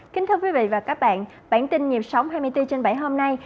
kính thưa quý vị và các bạn bản tin nhịp sống hai mươi bốn trên bảy hôm nay